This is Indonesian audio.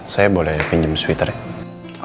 saya boleh pinjem sweater ya